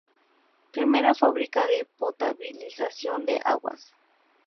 Primera fábrica de potabilización de aguas.